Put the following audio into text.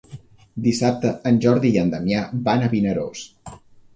Dissabte en Jordi i en Damià van a Vinaròs.